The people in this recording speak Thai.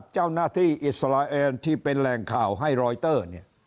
เจ้าหน้าที่อิสราเอลที่เป็นแหล่งข่าวให้รอยเตอร์เนี่ย